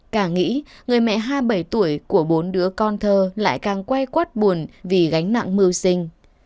cả nghĩ người mẹ hai mươi bảy tuổi của bốn đứa con thơ lại càng quay quát buồn vì gánh nặng mưu sinh